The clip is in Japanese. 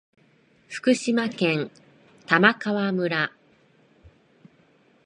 福島県玉川村